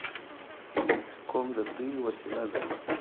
قوم د دوی وسیله ده.